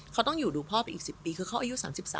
เขาต้องอยู่ดูพ่อไปอีก๑๐ปีคือเขาอายุ๓๓